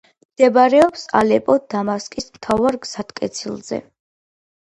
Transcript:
მდებარეობს ალეპო—დამასკის მთავარ გზატკეცილზე.